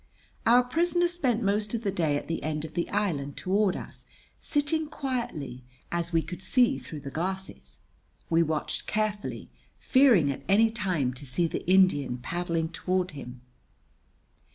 Our prisoner spent most of the day at the end of the island toward us, sitting quietly, as we could sec through the glasses. We watched carefully, fearing at any time to see the Indian paddling toward him.